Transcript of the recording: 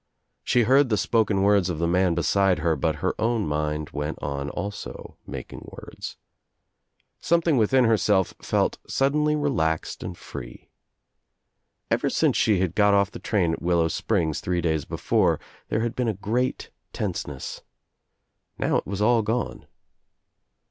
She heard the spoken words of the man beside her but her own mind went on, also making words. Something within her self felt suddenly relaxed and free. Ever since she had got off the train at Willow Springs three days before there had been a great tenseness. Now it was all gone.